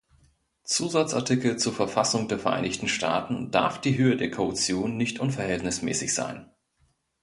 Zusatzartikel zur Verfassung der Vereinigten Staaten darf die Höhe der Kaution nicht unverhältnismäßig sein.